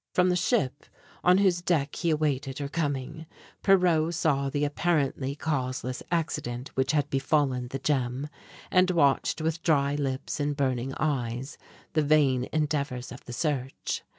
From the ship, on whose deck he awaited her coming, Pierrot saw the apparently causeless accident which had befallen the gem, and watched with dry lips and burning eyes the vain endeavors of the search.